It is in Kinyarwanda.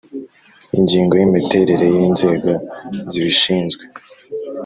Ingingo y’Imiterere y inzego zibishinzwe.